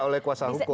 oleh kuasa hukum